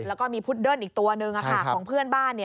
แล้วก็มีพุดเดิ้ลอีกตัวหนึ่งของเพื่อนบ้าน